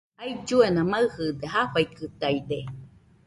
Ailluena maɨde, jafaikɨtaide.